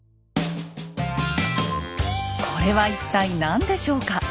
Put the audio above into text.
これは一体何でしょうか。